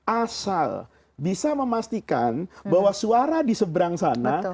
asal bisa memastikan bahwa suara di seberang sana